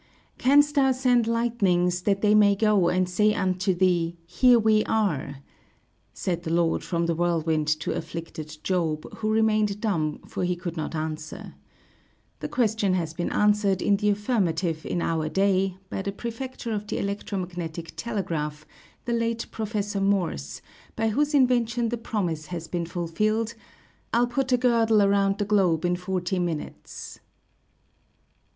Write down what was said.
"Canst thou send lightnings that they may go and say unto thee: Here we are!" Said the Lord from the whirlwind to afflicted Job, who remained dumb for he could not answer. The question has been answered in the affirmative in our day by the perfector of the electro magnetic telegraph, the late Professor Morse, by whose invention the promise has been fulfilled: "I'll put a girdle around the globe in forty minutes."